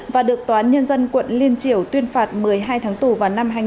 và được tòa án nhân dân quận liên triều tuyên phạt một mươi hai tháng tù vào năm hai nghìn một mươi tám